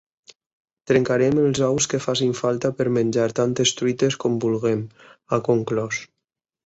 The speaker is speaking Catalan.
Trencarem els ous que facin falta per menjar tantes truites com vulguem, ha conclòs.